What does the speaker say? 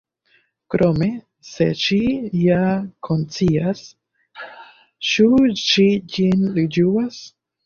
Krome, se ŝi ja konscias, ĉu ŝi ĝin ĝuas?